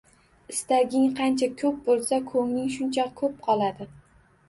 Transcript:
Istaging qancha koʻp boʻlsa, koʻngling shuncha koʻp qoladi